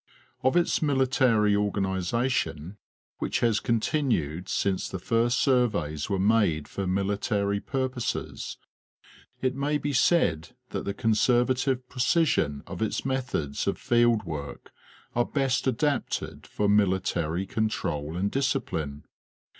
Of its military organization, which has continued since the first surveys were made for military purposes, it may be said that the conservative precision of its methods of field work are best adapted for military control and discipline.